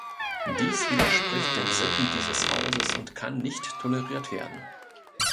Dies widerspricht den Sitten dieses Hauses und kann nicht toleriert werden.